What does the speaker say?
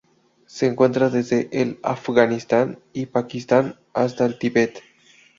Se encuentra desde el Afganistán y Pakistán hasta el Tíbet.